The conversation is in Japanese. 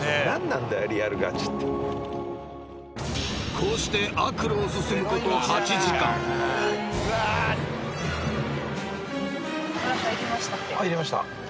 ［こうして悪路を進むこと８時間］入りました？